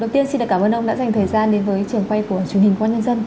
đầu tiên xin cảm ơn ông đã dành thời gian đến với trường quay của chương trình quán nhân dân